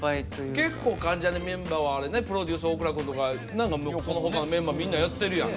結構関ジャニメンバーはプロデュース大倉くんとかその他のメンバーみんなやってるやん。